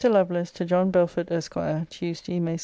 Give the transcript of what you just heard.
LOVELACE, TO JOHN BELFORD, ESQ. TUESDAY, MAY 2.